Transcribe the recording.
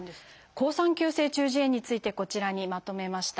好酸球性中耳炎についてこちらにまとめました。